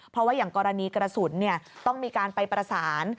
เพราะว่าอย่างกรณีกระสุนต้องมีการไปประสาน